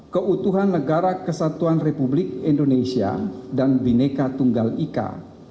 keutuhan negara kesatuan republik indonesia dan bineka tunggal ika